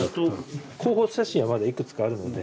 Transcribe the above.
候補写真はまだいくつかあるので。